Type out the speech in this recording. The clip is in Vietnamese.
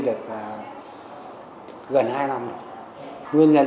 những năm gần đây